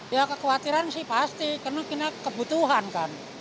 ya kekhawatiran sih pasti karena kita kebutuhan kan